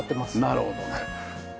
なるほどね。